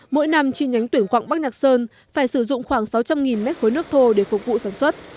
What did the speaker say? mỗi năm chi nhánh tuyển quặng bắc nhạc sơn phải sử dụng khoảng sáu trăm linh mét khối nước thô để phục vụ sản xuất